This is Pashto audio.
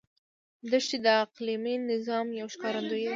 دښتې د اقلیمي نظام یو ښکارندوی دی.